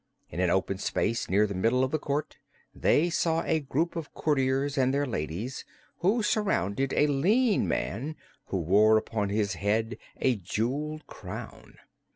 In an open space near the middle of the court they saw a group of courtiers and their ladies, who surrounded a lean man who wore upon his head a jeweled crown.